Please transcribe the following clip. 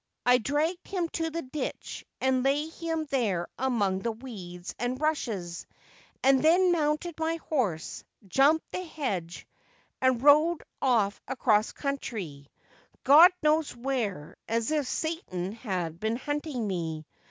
I dragged him to the ditch and laid him there among the weeds and rushes, and then mounted my horse, jumped the hedge, and rode off across country, God knows where, as if Satan had been hunting me.